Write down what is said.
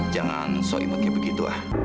jangan so imeknya begitu ah